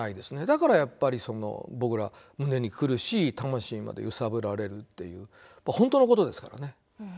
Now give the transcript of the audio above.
だからやっぱり僕ら胸に来るし魂まで揺さぶられるっていう本当のことですからね。